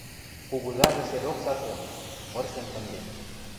Кугузажы седок саслен, вырсен «тымден».